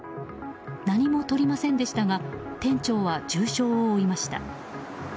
何も取りませんでしたが店長は重傷を負いました。